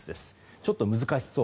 ちょっと難しそう。